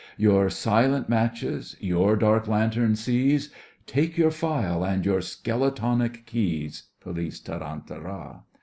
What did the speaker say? Your silent matches, your dark lantern seize, Take your file and your skeletonic keys. POLICE: Tarantara!